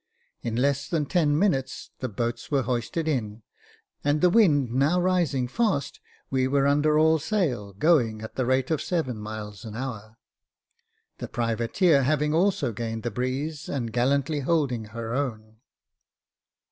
In less than ten minutes the boats were hoisted in ; and the wind now rising fast, we were under all sail, going at the rate of seven miles an hour ; the privateer having also gained the breeze and gallantly holding her own.